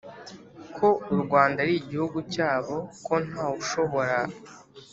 ko u rwanda ari igihugu cyabo, ko ntawushobora